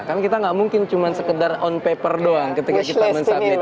kan kita nggak mungkin cuma sekedar on paper doang ketika kita men submit